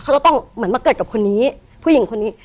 เขาจะต้องเหมือนมาเกิดกับคนนี้ผู้หญิงคนนี้